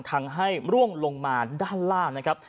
ทางให้ร่วงลงมาด้านล่างนะครับ